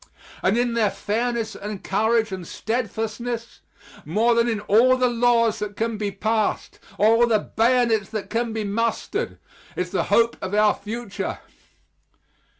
And in their fairness and courage and steadfastness more than in all the laws that can be passed, or all the bayonets that can be mustered is the hope of our future.